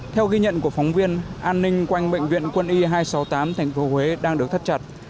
theo ghi nhận của phóng viên an ninh quanh bệnh viện quân y hai trăm sáu mươi tám tp huế đang được thắt chặt